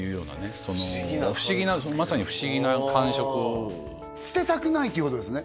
不思議な感覚や不思議なまさに不思議な感触捨てたくないっていうことですね？